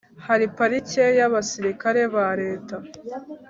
Hari parike y abasirikare ba leta